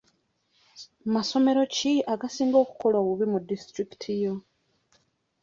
Masomero ki agasinga okukola obubi mu disitulikiti yo?